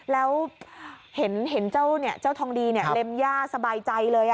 แล้วเห็นเจ้าทองดีเล็มย่าสบายใจเลย